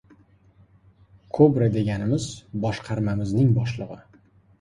«Kobra» deganimiz boshqarmamizning boshlig‘i